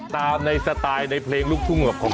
ตามในสไตล์ในเพลงลูกทุ่งหรอกผม